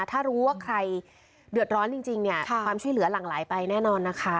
ถ้ารู้ว่าใครเดือดร้อนจริงเนี่ยความช่วยเหลือหลั่งไหลไปแน่นอนนะคะ